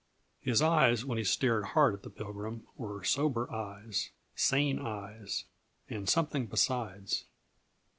His eyes when he stared hard at the Pilgrim were sober eyes, sane eyes and something besides.